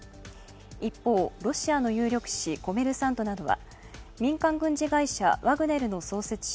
一方、ロシアの有力紙「コメルサント」などは民間軍事会社ワグネルの創設者